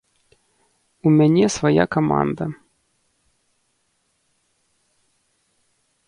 У мяне свая каманда.